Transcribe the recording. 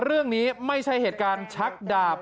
เรื่องนี้ไม่ใช่เหตุการณ์ชักดาบ